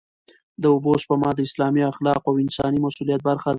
د اوبو سپما د اسلامي اخلاقو او انساني مسوولیت برخه ده.